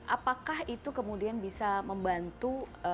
apakah itu kemudian bisa membantu